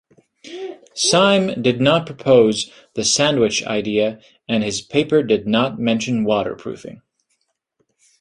Syme did not propose the sandwich idea and his paper did not mention waterproofing.